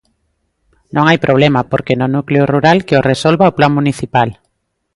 Non hai problema, porque no núcleo rural que o resolva o plan municipal.